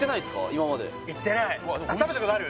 今までいってないあっ食べたことある？